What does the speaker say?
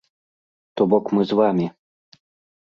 То бок, мы з вамі.